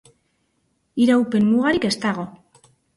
Iraupen mugarik ez dago.